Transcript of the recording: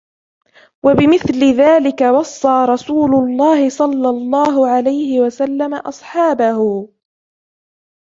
وَبِمِثْلِ ذَلِكَ وَصَّى رَسُولُ اللَّهِ صَلَّى اللَّهُ عَلَيْهِ وَسَلَّمَ أَصْحَابَهُ